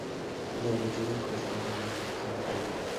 Nueva Bretaña se convirtió parte de la Nueva Guinea Alemana.